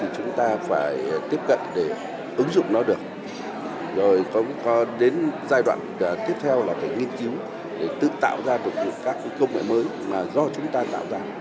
chúng ta phải tiếp cận để ứng dụng nó được rồi có đến giai đoạn tiếp theo là phải nghiên cứu để tự tạo ra được các công nghệ mới mà do chúng ta tạo ra